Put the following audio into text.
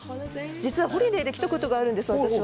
実はホリデーで来たことがあるんです、私は。